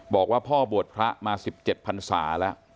บอกว่าพ่อบวชพระมา๑๗พันศาแล้ว